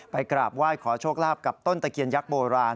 กราบไหว้ขอโชคลาภกับต้นตะเคียนยักษ์โบราณ